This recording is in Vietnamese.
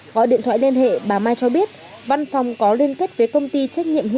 gọi điện thoại liên hệ bà mai cho biết văn phòng có liên kết với công ty trách nhiệm hữu